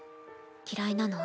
嫌いなの？